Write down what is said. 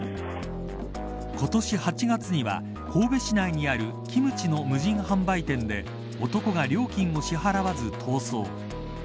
今年８月には神戸市内にあるキムチの無人販売店で男が料金を支払わず逃走。